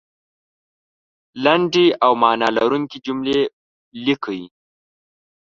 لنډې او معنا لرونکې جملې لیکئ